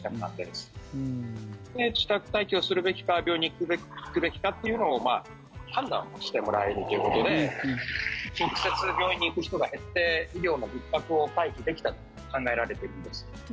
で、自宅待機をするべきか病院に行くべきかっていうのを判断をしてもらえるということで直接病院に行く人が減って医療のひっ迫を回避できたと考えられているんです。